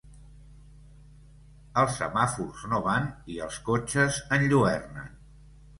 Els semàfors no van i els cotxes enlluernen.